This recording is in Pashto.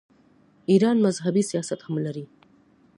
ایران مذهبي سیاحت هم لري.